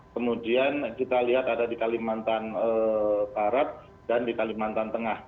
kemudian kita lihat ada di kalimantan barat dan di kalimantan tengah